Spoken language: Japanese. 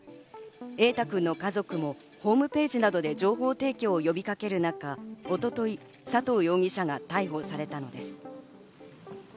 瑛大君の家族もホームページなどで情報提供を呼びかける中、一昨日、佐藤容疑者が逮捕されたのです。